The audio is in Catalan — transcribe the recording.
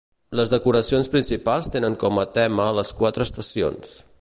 Les decoracions principals tenen com a tema les quatre estacions.